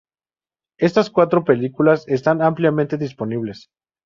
Estas cuatro películas están ampliamente disponibles.